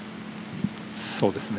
そうですね